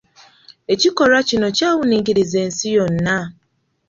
Ekikolwa kino kyawuniikiriza ensi yonna.